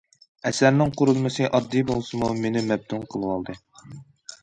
ئەسەرنىڭ قۇرۇلمىسى ئاددىي بولسىمۇ مېنى مەپتۇن قىلىۋالدى.